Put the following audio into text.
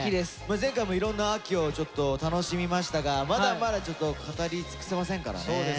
前回もいろんな「秋」をちょっと楽しみましたがまだまだ語り尽くせませんからね。